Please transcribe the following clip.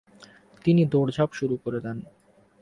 তিনি দৌড়ঝাঁপ শুরু করে দেন।